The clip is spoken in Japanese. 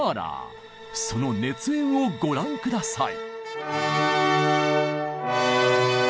その熱演をご覧下さい。